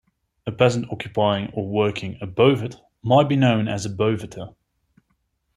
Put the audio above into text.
A peasant occupying or working a bovate might be known as a 'bovater.